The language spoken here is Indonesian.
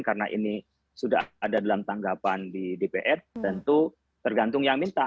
karena ini sudah ada dalam tanggapan di dpr tentu tergantung yang minta